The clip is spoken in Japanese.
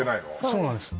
そうなんです